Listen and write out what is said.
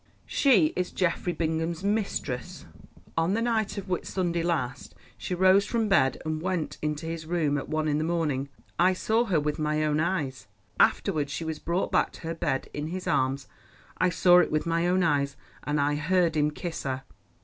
"She is Geoffrey Bingham's mistress. On the night of Whit Sunday last she rose from bed and went into his room at one in the morning. I saw her with my own eyes. Afterwards she was brought back to her bed in his arms—I saw it with my own eyes, and I heard him kiss her."